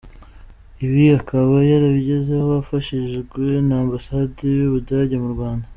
Ibi akaba yarabigezeho afashijwe na ambasade y’Ubudage mu Rwanda .